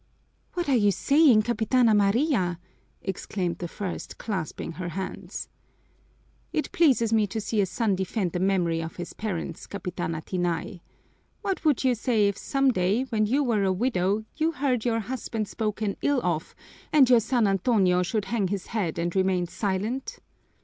"What are you saying, Capitana Maria!" exclaimed the first, clasping her hands. "It pleases me to see a son defend the memory of his parents, Capitana Tinay. What would you say if some day when you were a widow you heard your husband spoken ill of and your son Antonio should hang his head and remain silent?"